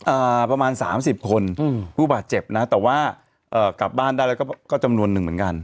อ่าประมาณสามสิบคนอืมผู้บาดเจ็บนะแต่ว่าเอ่อกลับบ้านได้แล้วก็ก็จำนวนหนึ่งเหมือนกัน